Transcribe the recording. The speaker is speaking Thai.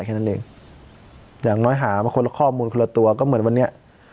แค่นั้นเองอย่างน้อยหามาคนละข้อมูลคนละตัวก็เหมือนวันนี้